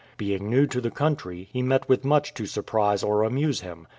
Being new to the country, he met with much to surprise or amuse him.